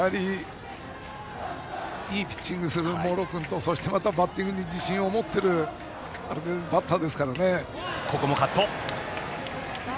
いいピッチングをする茂呂君とそしてバッティングに自信を持っているバッターですからね。